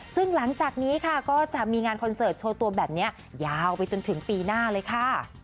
ซึ่งหลังจากนี้ค่ะก็จะมีงานคอนเสิร์ตโชว์ตัวแบบนี้ยาวไปจนถึงปีหน้าเลยค่ะ